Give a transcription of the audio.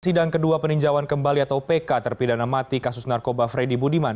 sidang kedua peninjauan kembali atau pk terpidana mati kasus narkoba freddy budiman